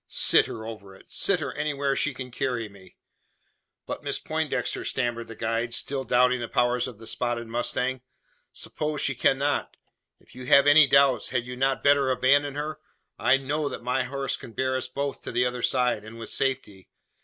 Sit her over it! Sit her anywhere she can carry me." "But, Miss Poindexter," stammered the guide, still doubting the powers of the spotted mustang, "suppose she cannot? If you have any doubts, had you not better abandon her? I know that my horse can bear us both to the other side, and with safety.